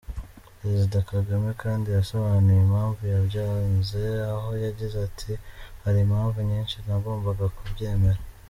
Perezida Kagame kandi yasobanuye impamvu yabyanze aho yagize ati : "Hari impamvu nyinshi ntagombaga kubyemera.